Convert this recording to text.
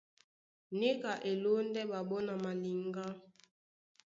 Níka e lóndɛ́ ɓaɓɔ́ na maliŋgá.